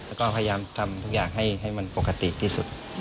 แล้วก็พยายามทำทุกอย่างให้มันปกติที่สุด